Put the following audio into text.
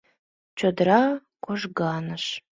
Чодыра кожганыш.